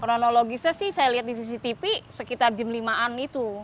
kronologisnya sih saya lihat di cctv sekitar jam lima an itu